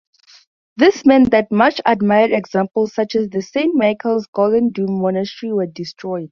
This meant that much-admired examples such as the Saint Michael's Golden-Domed Monastery were destroyed.